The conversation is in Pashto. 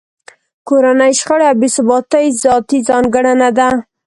کورنۍ شخړې او بې ثباتۍ ذاتي ځانګړنه ده